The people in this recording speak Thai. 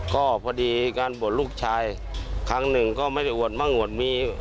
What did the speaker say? ก็พอดีการบวชลูกชายครั้งหนึ่งก็ไม่ได้อวดมั่งอวดมี